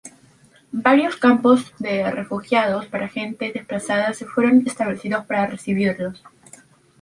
Varios campos de refugiados para gente desplazada se fueron establecidos para recibirlos.